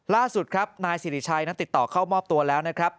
ล่าสุดครับนายสิริชัยนั้นติดต่อเข้ามอบตัวแล้วนะครับ